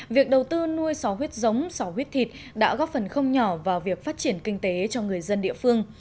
việc đầu tư nuôi sáu huyết giống sò huyết thịt đã góp phần không nhỏ vào việc phát triển kinh tế cho người dân địa phương